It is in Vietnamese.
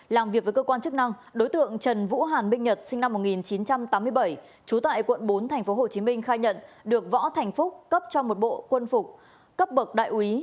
làm việc với cơ quan chức năng đối tượng trần vũ hàn minh nhật sinh năm một nghìn chín trăm tám mươi bảy trú tại quận bốn tp hcm khai nhận được võ thành phúc cấp cho một bộ quân phục cấp bậc đại úy